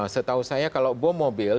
setahu saya kalau bom mobil